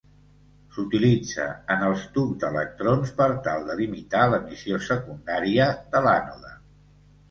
S'utilitza en els tubs d'electrons per tal de limitar l'emissió secundària de l'ànode.